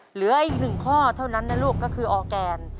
เหลืออีกหนึ่งข้อเท่านั้นนะลูกก็คือออร์แกน